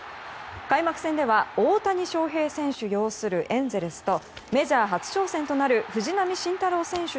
開幕戦では大谷選手擁するエンゼルスとメジャー初挑戦となる藤浪晋太郎選手